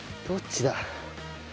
どっちだ？